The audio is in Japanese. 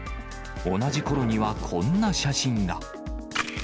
同じころにはこんな写真が。